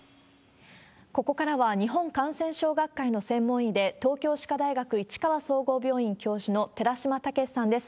ここからは日本感染症学会の専門医で東京歯科大学市川総合病院教授の寺嶋毅さんです。